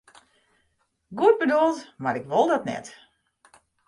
Goed bedoeld, mar ik wol dat net.